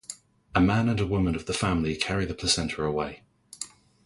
A man and a woman of the family carry the placenta away.